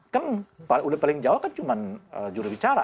kan paling jauh kan cuma jurubicara